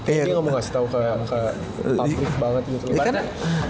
ini ngomong kasih tau ke patrick banget gitu loh